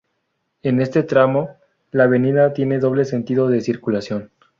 En este tramo la avenida tiene doble sentido de circulación.